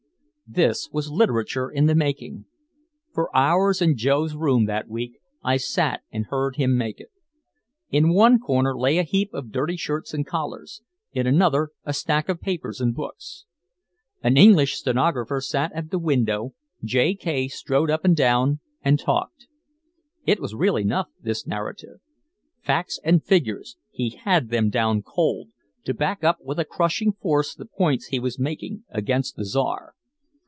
This was literature in the making. For hours in Joe's room that week I sat and heard him make it. In one corner lay a heap of dirty shirts and collars, in another a stack of papers and books. An English stenographer sat at the window, J. K. strode up and down and talked. It was real enough, this narrative. Facts and figures, he had them down cold, to back up with a crushing force the points he was making against the Czar.